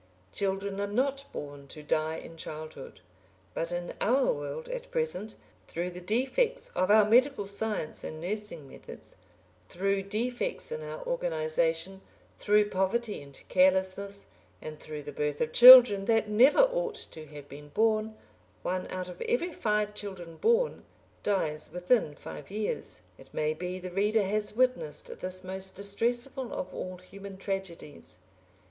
Children are not born to die in childhood. But in our world, at present, through the defects of our medical science and nursing methods, through defects in our organisation, through poverty and carelessness, and through the birth of children that never ought to have been born, one out of every five children born dies within five years. It may be the reader has witnessed this most distressful of all human tragedies.